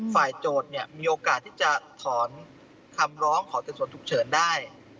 ฝ่ายโจทย์มีโอกาสที่จะถอนคำร้องขอเกษตรส่วนถูกเฉินได้